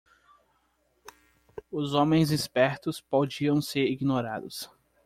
Os homens espertos podiam ser ignorados.